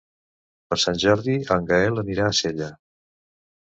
Per Sant Jordi en Gaël anirà a Sella.